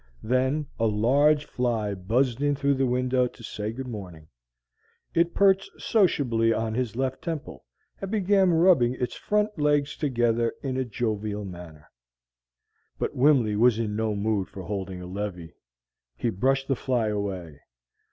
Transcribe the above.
Then a large fly buzzed in through the window to say good morning. It perched sociably on his left temple, and began rubbing its two front legs together in a jovial manner. But Wimley was in no mood for holding a levee. He brushed the fly away.